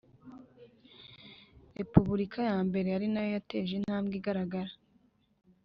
repubulika ya mbere ari na yo yateje intambwe igaragara